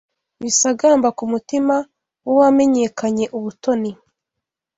Bisagamba ku mutima W’uwampekanye ubutoni